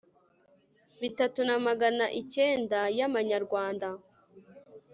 bitatu na magana icyenda y amanyarwanda